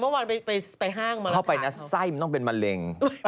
เมื่อวานไปห้างมาเลยเข้าไปนะไส้มันต้องเป็นมะเร็ง